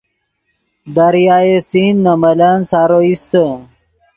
دریائے سندھ نے ملن سارو ایستے